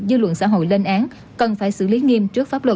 dư luận xã hội lên án cần phải xử lý nghiêm trước pháp luật